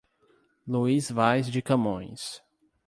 Luís Vaz de Camões